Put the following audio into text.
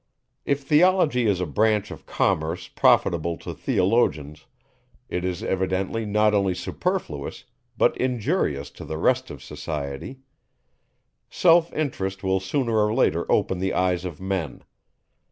If theology is a branch of commerce profitable to theologians, it is evidently not only superfluous, but injurious to the rest of society. Self interest will sooner or later open the eyes of men.